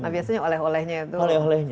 nah biasanya oleh olehnya itu oleh